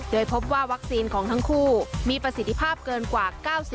โดยพบว่าวัคซีนของทั้งคู่มีประสิทธิภาพเกินกว่า๙๐